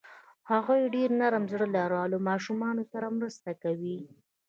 هغوی ډېر نرم زړه لري او له ماشومانو سره مرسته کوي.